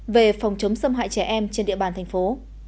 về phòng chống xâm hại trẻ em trên địa bàn thành phố